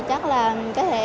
chắc là có thể em